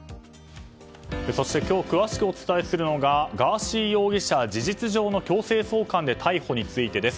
そして今日詳しくお伝えするのがガーシー容疑者事実上の強制送還で逮捕についてです。